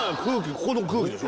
ここの空気でしょ？